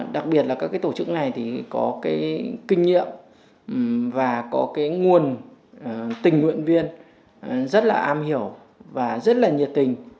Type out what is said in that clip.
đặc biệt là các tổ chức này có kinh nghiệm và có nguồn tình nguyện viên rất am hiểu và rất nhiệt tình